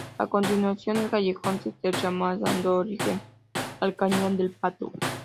A continuación el callejón se estrecha más dando origen al Cañón del Pato.